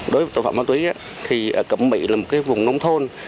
đối với tội phạm ma túy thì cẩm mỹ là một vùng nông thôn